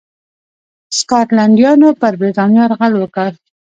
سکاټلنډیانو پر برېټانیا یرغل وکړ.